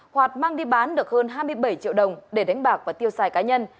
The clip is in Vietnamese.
hoạt mang đi bán được hơn hai mươi bảy triệu đồng để đánh bạc và tiêu xài cá nhân